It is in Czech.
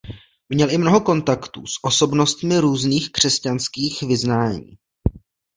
Měl i mnoho kontaktů s osobnostmi různých křesťanských vyznání.